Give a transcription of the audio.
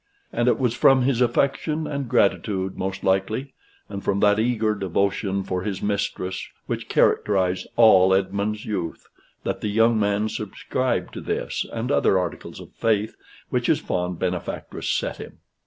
And it was from his affection and gratitude most likely, and from that eager devotion for his mistress, which characterized all Esmond's youth, that the young man subscribed to this, and other articles of faith, which his fond benefactress set him.